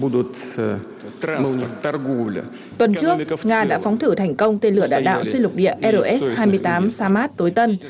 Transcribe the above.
tuần trước nga đã phóng thử thành công tên lửa đạn đạo xuyên lục địa rs hai mươi tám samat tối tân